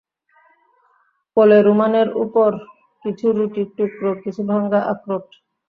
কোলে রুমালের উপর কিছু রুটির টুকরো, কিছু ভাঙা আখরোট।